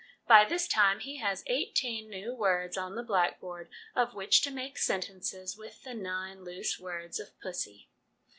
By this time he has eighteen new words on the blackboard of which to make sentences with the nine loose words of 'pussy.'